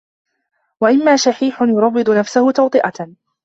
وَإِمَّا شَحِيحٌ يُرَوِّضُ نَفْسَهُ تَوْطِئَةً